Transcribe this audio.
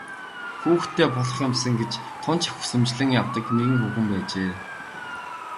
Хүүхэдтэй болох юмсан гэж тун ч их хүсэмжлэн явдаг нэгэн хүүхэн байжээ.